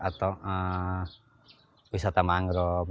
atau wisata mangrove